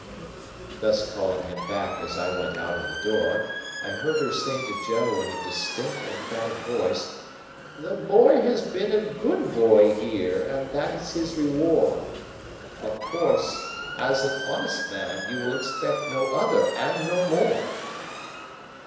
Thus calling him back as I went out of the door, I heard her say to Joe in a distinct emphatic voice, "The boy has been a good boy here, and that is his reward. Of course, as an honest man, you will expect no other and no more."